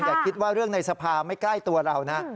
อย่าคิดว่าเรื่องในสภาไม่ใกล้ตัวเรานะ